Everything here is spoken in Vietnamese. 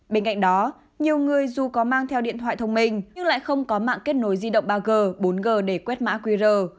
bên cạnh đó nhiều người dù có mang theo điện thoại thông minh nhưng lại không có mạng kết nối di động ba g bốn g để quét mã qr